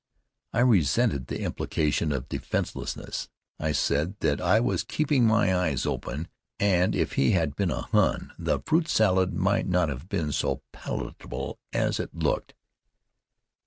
I resented the implication of defenselessness. I said that I was keeping my eyes open, and if he had been a Hun, the fruit salad might not have been so palatable as it looked.